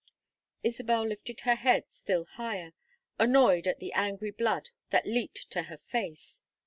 Isabel lifted her head still higher, annoyed at the angry blood that leaped to her face.